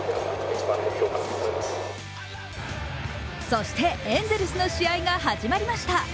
そしてエンゼルスの試合が始まりました。